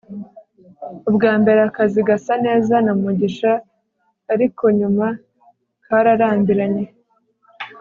ubwa mbere akazi gasa neza na mugisha, ariko nyuma kararambiranye